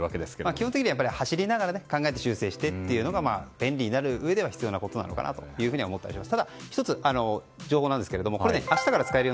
基本的には走りながら考えて修正してというのが便利になるうえでは必要なことなのかなと思っています。